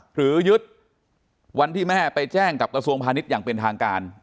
หรือยึดวันที่แม่ไปแจ้งกับกระทรวงพาณิชย์อย่างเป็นทางการ